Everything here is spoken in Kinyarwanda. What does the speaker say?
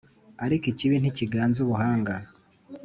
ariko ikibi ntikiganza Ubuhanga.